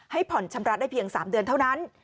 ผ่อนชำระได้เพียง๓เดือนเท่านั้น